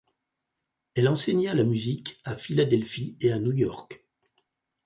Elle enseigna la musique à Philadelphie et à New York.